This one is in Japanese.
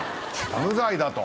無罪だと？